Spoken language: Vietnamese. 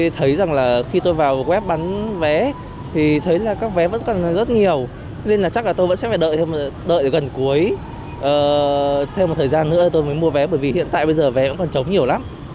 tại vì vậy tôi đợi gần cuối thêm một thời gian nữa tôi mới mua vé bởi vì hiện tại bây giờ vé vẫn còn trống nhiều lắm